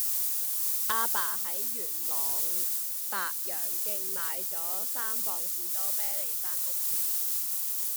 亞爸喺元朗白楊徑買左三磅士多啤梨返屋企